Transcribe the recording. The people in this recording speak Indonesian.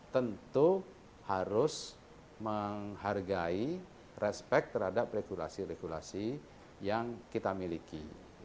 tentu harus menghargai respect terhadap regulasi regulasi yang kita miliki